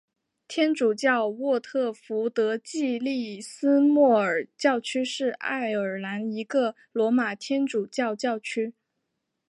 天主教沃特福德暨利斯莫尔教区是爱尔兰一个罗马天主教教区。